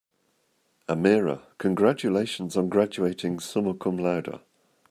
"Amira, congratulations on graduating summa cum laude."